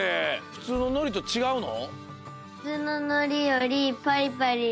ふつうののりとちがうの？